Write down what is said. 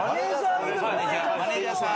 マネージャーさん！？